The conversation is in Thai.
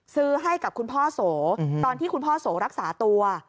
ซื้อให้กับคุณพ่อโสตอนที่คุณพ่อโสรักษาตัว